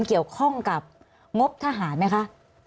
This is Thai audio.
เกี่ยวข้องกับงบทหารไหมคะ